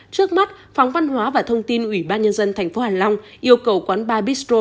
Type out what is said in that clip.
trước mắt phóng văn hóa và thông tin ủy ban nhân dân thành phố hạ long yêu cầu quán bar bistro